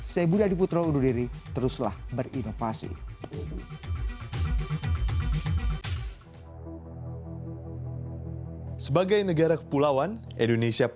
saya budha diputro undur diri teruslah berinovasi